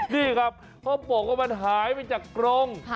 นี่ครับเขาบอกว่ามันหายไปจากกรง